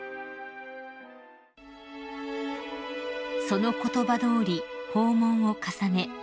［その言葉どおり訪問を重ね